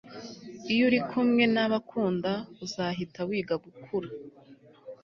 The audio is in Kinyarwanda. iyo uri kumwe nabakunda, uzahita wiga gukura